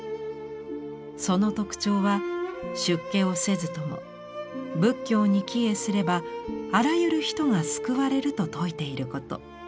その特徴は出家をせずとも仏教に帰依すればあらゆる人が救われると説いていること。